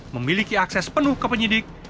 memiliki akses penuh ke penyidik